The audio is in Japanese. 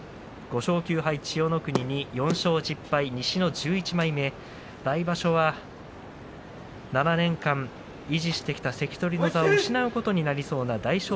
５勝９敗の千代の国に４勝１０敗、西の１１枚目来場所は７年間維持してきた関取の座を失うことになりそうな大翔